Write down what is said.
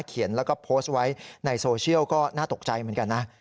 เขียนแล้วก็โพสต์ไว้ในโซเชียลก็น่าตกใจเหมือนกันนะ